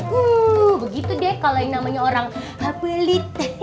wuu begitu deh kalau ini namanya orang pelit